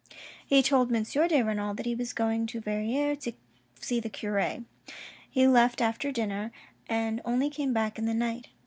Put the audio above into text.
He told M. de Renal that he was going to Verrieres to see the cure. He left after dinner, and only came back in the night.